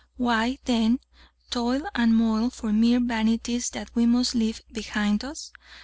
Why, then, toil and moil for mere vanities that we must leave behind us?